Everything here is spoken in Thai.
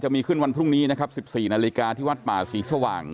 จะมีขึ้นวันพรุ่งนี้๑๔นาฬิกาที่วัดป่าสีสว่าง